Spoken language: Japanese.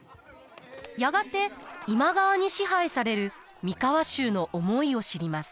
やがて今川に支配される三河衆の思いを知ります。